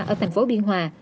ở thành phố biên hòa